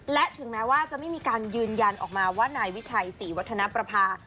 และถึงแม้ว่าจะไม่มีการยืนยันออกมาว่านายวิชัยศรีวัฒนประภา